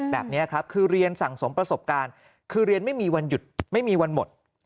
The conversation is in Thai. แบบนี้ครับคือเรียนสั่งสมประสบการณ์คือเรียนไม่มีวันหยุดไม่มีวันหมด